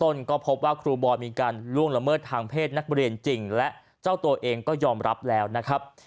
ต้นก็พบว่าครูบอยมีการล่วงละเมิดทางเพศนักเรียนจริงและเจ้าตัวเองก็ยอมรับแล้วนะครับ